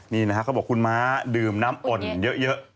นี่นะครับเขาบอกคุณม้าดื่มน้ำอุ่นเยอะ